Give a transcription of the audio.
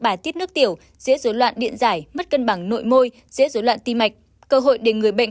bài tiết nước tiểu dễ dối loạn điện giải mất cân bằng nội môi dễ dối loạn tim mạch cơ hội để người bệnh